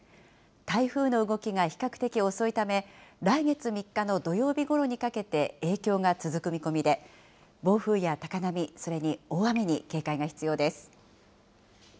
台風の動きが比較的遅いため、来月３日の土曜日ごろにかけて影響が続く見込みで、暴風や高波、それに大雨に警戒が必要です。